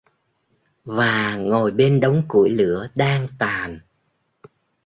Và ngồi bên đống củi lửa đang tàn